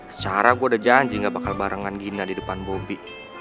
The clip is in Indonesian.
secara gue udah janji gak bakal barengkan gina di depan bobby